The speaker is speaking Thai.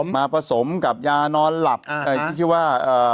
มาผสมกับยานอนหลับที่ชื่อว่า